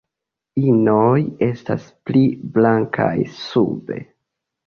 Inoj estas pli blankaj sube.